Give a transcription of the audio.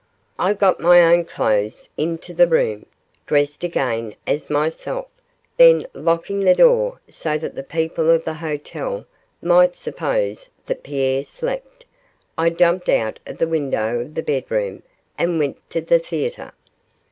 I got my own clothes into the room, dressed again as myself; then, locking the door, so that the people of the hotel might suppose that Pierre slept, I jumped out of the window of the bedroom and went to the theatre.